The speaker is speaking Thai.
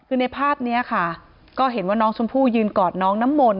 คือในภาพนี้ค่ะก็เห็นว่าน้องชมพู่ยืนกอดน้องน้ำมนต